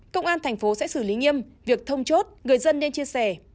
công an tp hcm sẽ xử lý nghiêm việc thông chốt người dân nên chia sẻ